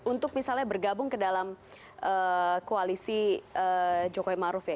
untuk misalnya bergabung ke dalam koalisi jokowi maruf ya